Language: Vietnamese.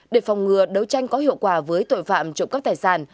để phòng ngừa đấu tranh có hiệu quả với tội phạm trộm cắp tài sản